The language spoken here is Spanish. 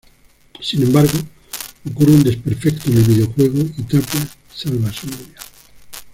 Sin embargo, ocurre un desperfecto en el videojuego y Tapia salva a su novia.